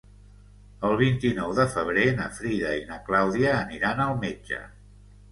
El vint-i-nou de febrer na Frida i na Clàudia aniran al metge.